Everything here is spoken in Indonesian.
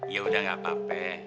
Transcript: ya udah gak apa apa